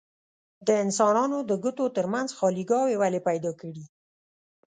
د انسانانو د ګوتو ترمنځ خاليګاوې ولې پیدا کړي؟